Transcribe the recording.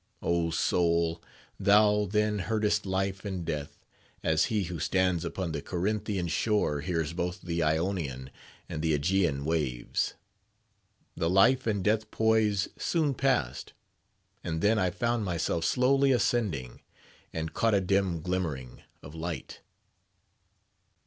Oh soul! thou then heardest life and death: as he who stands upon the Corinthian shore hears both the Ionian and the Aegean waves. The life and death poise soon passed; and then I found myself slowly ascending, and caught a dim glimmering of light.